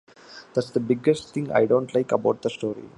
That’s the biggest thing I don’t like about the story.